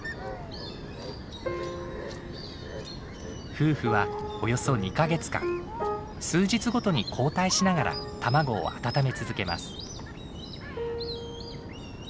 夫婦はおよそ２か月間数日ごとに交代しながら卵を温め続けます。